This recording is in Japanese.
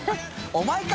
お前か！